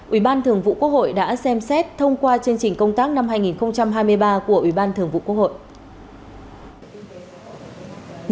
ủy ban thường vụ quốc hội đã xem xét thông qua chương trình công tác năm hai nghìn hai mươi ba của ủy ban thường vụ quốc hội